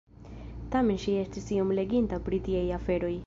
Tamen ŝi estis iom leginta pri tiaj aferoj.